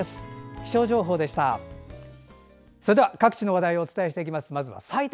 気象情報でした。